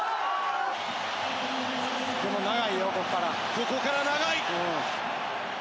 ここから長い。